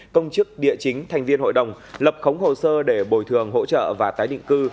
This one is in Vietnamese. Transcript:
công chức địa chính thành viên hội đồng lập khống hồ sơ để bồi thường hỗ trợ và tái định cư